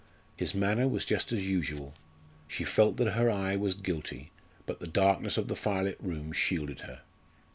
His manner was just as usual. She felt that her eye was guilty, but the darkness of the firelit room shielded her.